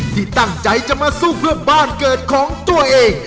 ที่ตั้งใจจะมาสู้เพื่อบ้านเกิดของตัวเอง